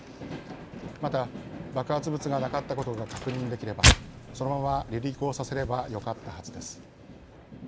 また爆発物がなかったことが確認できればそのまま離陸をさせればよかったはずです。